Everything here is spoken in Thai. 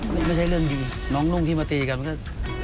ไม่ใช่เรื่องดีน้องนุ่งที่มาตีกันก็